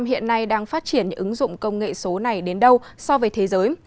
hiện nay đang phát triển những ứng dụng công nghệ số này đến đâu so với thế giới